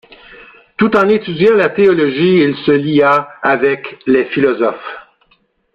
Tout en étudiant la théologie, il se lia avec les philosophes.